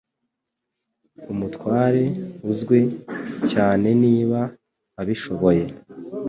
Umutware uzwi cyaneniba abishoboye